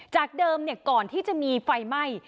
จากเดิมก่อนที่จะมีไฟไหม้